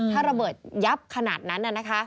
ถ้าระเบิดยับขนาดนั้น